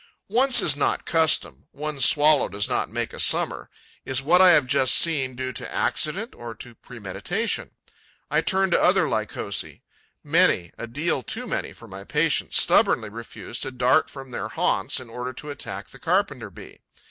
Once is not custom: one swallow does not make a summer. Is what I have just seen due to accident or to premeditation? I turn to other Lycosae. Many, a deal too many for my patience, stubbornly refuse to dart from their haunts in order to attack the Carpenter bee.